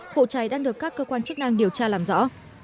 vụ cháy đang được các cơ quan chức năng điều tra làm rõ